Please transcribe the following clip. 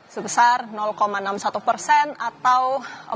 sebesar enam puluh satu persen atau empat puluh lima